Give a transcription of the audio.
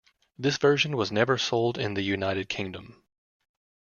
This version was never sold in the United Kingdom.